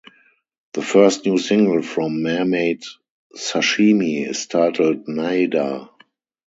The first new single from "Mermaid Sashimi" is titled "Nada".